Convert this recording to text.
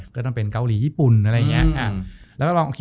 ก็ต้องเป็นเกาหลีญี่ปุ่นอะไรอย่างนี้